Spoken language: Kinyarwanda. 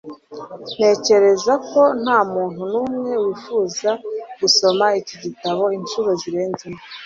Ntekereza ko ntamuntu numwe wifuza gusoma iki gitabo inshuro zirenze imwe.